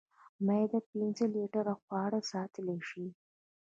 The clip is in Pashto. معده پنځه لیټره خواړه ساتلی شي.